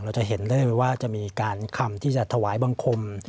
จะเห็นได้ว่าจะมีการคำที่จะถวายบังคม